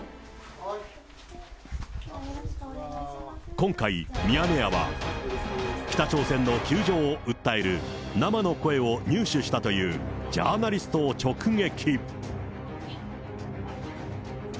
今回、ミヤネ屋は、北朝鮮の窮状を訴える生の声を入手したというジャーナリストを直撃。